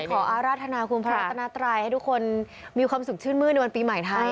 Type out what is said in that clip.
อาราธนาคุณพระรัตนาไตรให้ทุกคนมีความสุขชื่นมื้นในวันปีใหม่ไทย